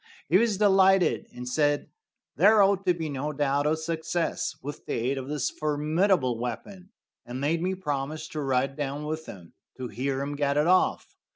He was delighted, and said there ought to be no doubt of success with the aid of this formidable weapon, and made me promise to ride down with him to hear him get it off.